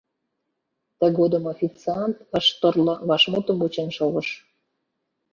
Тыгодым официант ыш торло, вашмутым вучен шогыш.